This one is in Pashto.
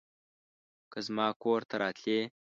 که زما کور ته راتلې